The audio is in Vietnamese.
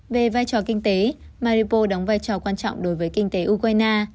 về vai trò kinh tế maripo đóng vai trò quan trọng đối với kinh tế ukraine